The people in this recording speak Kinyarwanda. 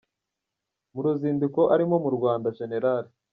Mu ruzinduko arimo mu Rwanda Gen.